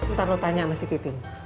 ntar lo tanya sama si titi